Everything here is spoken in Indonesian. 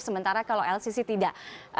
sementara kalau lcc tidak